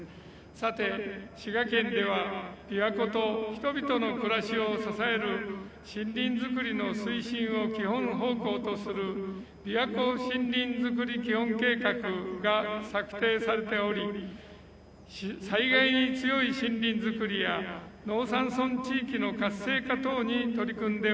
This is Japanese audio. さて滋賀県では琵琶湖と人々の暮らしを支える森林づくりの推進を基本方向とする琵琶湖森林づくり基本計画が策定されており災害に強い森林づくりや農山村地域の活性化等に取り組んでおられます。